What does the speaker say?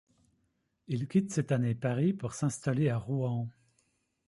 Il quitte cette année Paris pour s'installer à Rouen.